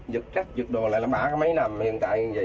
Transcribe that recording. giựt rách giựt đồ lại là bả mấy năm hiện tại như vậy